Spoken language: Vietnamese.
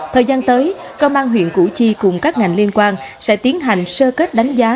thời gian tới công an huyện củ chi cùng các ngành liên quan sẽ tiến hành sơ kết đánh giá